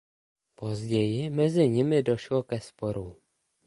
Později mezi nimi došlo ke sporu.